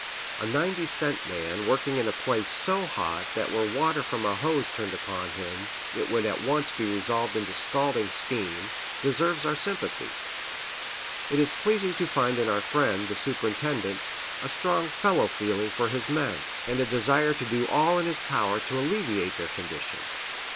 A ninety cent man working in a place so hot that were water from a hose turned upon him it would at once be resolved into scalding steam, deserves our sympathy. It is pleasing to find in our friend, the superintendent, a strong fellow feeling for his men, and a desire to do all in his power to alleviate their condition.